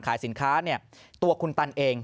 ขายสินค้าเนี่ยตัวคุณตันเอง